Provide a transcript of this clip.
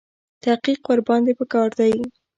تحقیق ورباندې په کار دی.